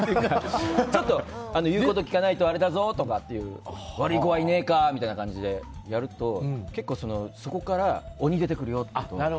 ちょっと、言うこと聞かないとあれだぞっていう悪い子はいねえかみたいな感じでやると結構そこから鬼出てくるよって言うと。